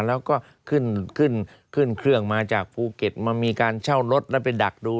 แล้วก็ขึ้นขึ้นเครื่องมาจากภูเก็ตมามีการเช่ารถแล้วไปดักดู